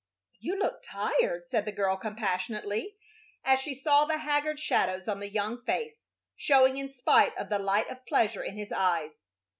"You look tired," said the girl, compassionately, as she saw the haggard shadows on the young face, showing in spite of the light of pleasure in his eyes.